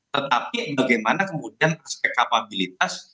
tetapi bagaimana kemudian aspek kapabilitas